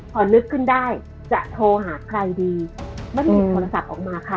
พอนึกขึ้นได้จะโทรหาใครดีไม่ได้หยิบโทรศัพท์ออกมาค่ะ